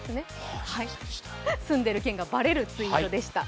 住んでる県がバレるツイートでした。